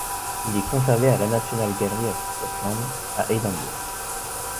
Il est conservé à la National Gallery of Scotland à Édimbourg.